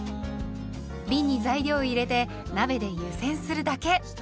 びんに材料を入れて鍋で湯煎するだけ。